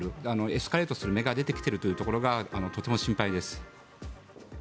エスカレートする芽が出てきているというところがとても心配です。